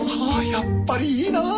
やっぱりいいな。